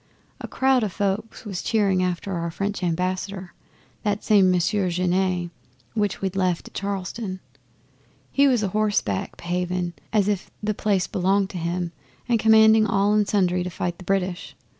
A crowd o' folk was cheering after our French Ambassador that same Monsieur Genet which we'd left at Charleston. He was a horseback behaving as if the place belonged to him and commanding all and sundry to fight the British.